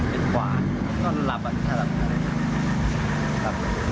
เลนส์ขวาตอนหลับถ้าหลับหลับ